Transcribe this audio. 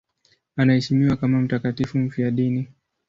Anaheshimiwa kama mtakatifu mfiadini.